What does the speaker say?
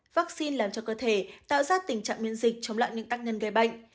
vắc xin làm cho cơ thể tạo ra tình trạng miễn dịch chống lại những tác nhân gây bệnh